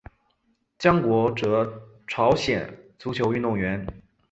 姜国哲朝鲜足球运动员。